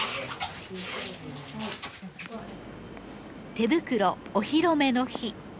手袋お披露目の日。